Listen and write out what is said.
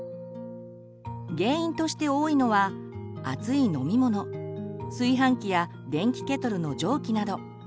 原因として多いのは熱い飲み物炊飯器や電気ケトルの蒸気など。